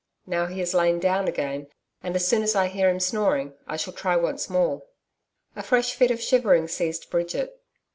Now he has lain down again, and as soon as I hear him snoring I shall try once more.' A fresh fit of shivering seized Bridget.